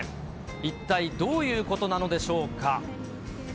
一体どういうことなのでしょうか。